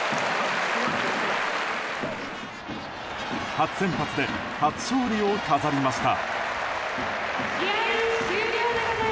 初先発で初勝利を飾りました。